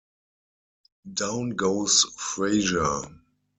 Down goes Frazier!